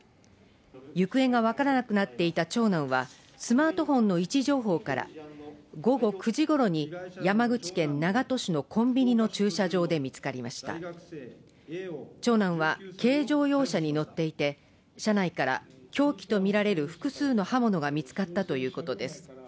行方がわからなくなっていた長男はスマートフォンの位置情報から午後９時ごろに山口県長門市のコンビニの駐車場で見つかりました長男は、軽乗用車に乗っていて、車内から凶器とみられる複数の刃物が見つかったということです。